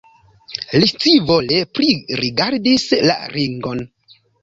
Li scivole pririgardis la ringon.